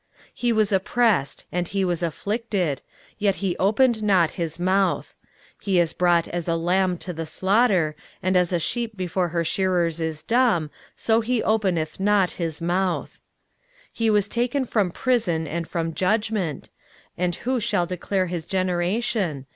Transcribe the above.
23:053:007 He was oppressed, and he was afflicted, yet he opened not his mouth: he is brought as a lamb to the slaughter, and as a sheep before her shearers is dumb, so he openeth not his mouth. 23:053:008 He was taken from prison and from judgment: and who shall declare his generation?